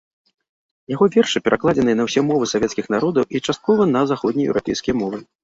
Яго вершы перакладзеныя на ўсе мовы савецкіх народаў і часткова на заходнееўрапейскія мовы.